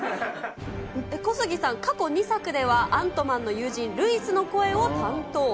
小杉さん、過去２作ではアントマンの友人、ルイスの声を担当。